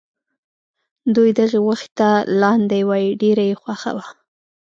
دوی دې غوښې ته لاندی وایه ډېره یې خوښه وه.